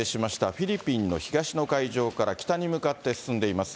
フィリピンの東の海上から北に向かって進んでいます。